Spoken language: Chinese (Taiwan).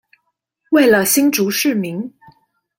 為了新竹市民